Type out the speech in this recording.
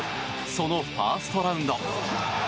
そのファーストラウンド。